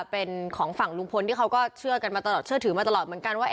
เป็นของฝั่งลุงพลที่เขาก็เชื่อกันมาตลอดเชื่อถือมาตลอดเหมือนกันว่า